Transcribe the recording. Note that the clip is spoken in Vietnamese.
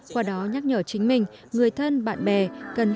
qua đó nhắc nhở chính mình người thân bạn bè cần